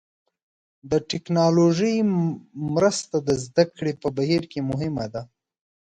د ټکنالوژۍ مرسته د زده کړې په بهیر کې مهمه ده.